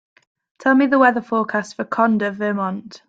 Tell me the weather forecast for Conda, Vermont